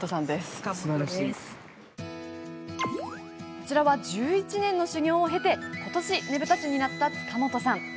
こちらは１１年の修業を経て今年、ねぶた師になった塚本さん。